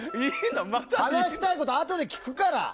話したいことはあとで聞くから。